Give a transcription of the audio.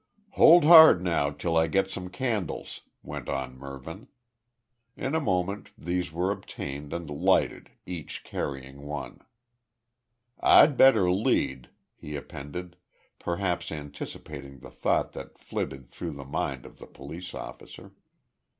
"Hold hard now till I get some candles," went on Mervyn. In a moment these were obtained and lighted, each carrying one. "I'd better lead," he appended, perhaps anticipating the thought that flitted through the mind of the police officer.